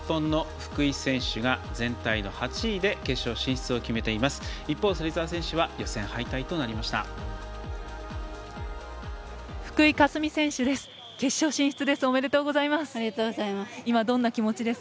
福井香澄選手です。